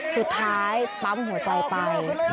สุดท้ายปั๊มหัวใจไป